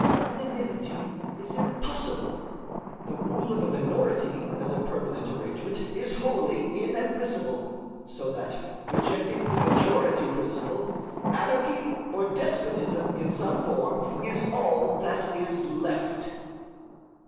Unanimity is impossible; the rule of a minority, as a permanent arrangement, is wholly inadmissible; so that, rejecting the majority principle, anarchy or despotism in some form is all that is left.